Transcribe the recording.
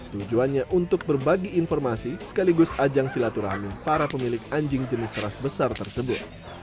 tujuannya untuk berbagi informasi sekaligus ajang silaturahmi para pemilik anjing jenis ras besar tersebut